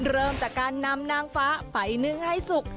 เริ่มจากการนำนางฟ้าไปนึ่งให้สุก